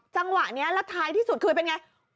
จังหวะนี้แล้วท้ายที่สุดคือเป็นไง